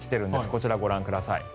こちらご覧ください。